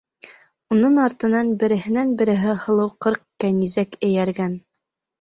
Уның артынан береһенән-береһе һылыу ҡырҡ кәнизәк эйәргән.